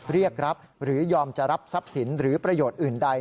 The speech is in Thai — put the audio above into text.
เรียกรับหรือยอมจะรับทรัพย์สินหรือประโยชน์อื่นใด